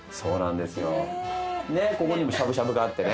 でここにもしゃぶしゃぶがあってね。